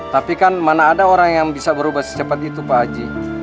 tapi kan mana ada orang yang bisa berubah secepat itu pak haji